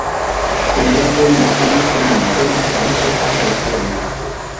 Pentradon li studis en Munkeno, Parizo kaj Dresdeno.